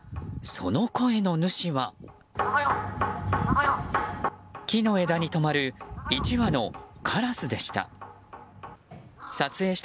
その声の主は、木の枝に止まる１羽のカラスでした。